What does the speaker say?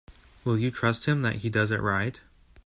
Will you trust him that he does it right?